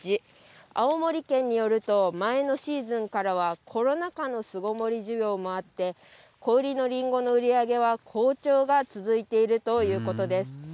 青森県によると前のシーズンからはコロナ禍の巣ごもり需要もあって、小売りのりんごの売り上げは好調が続いているということです。